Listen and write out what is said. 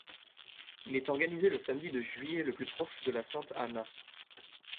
Il est organisé le samedi de juillet le plus proche de la sainte Anna.